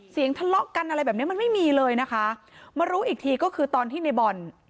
ทะเลาะกันอะไรแบบเนี้ยมันไม่มีเลยนะคะมารู้อีกทีก็คือตอนที่ในบ่อน